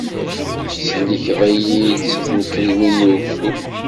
Tettsellikeḍ-iyi-d si tnekkriwin n ugdud.